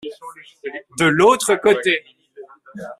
De l’autre côté.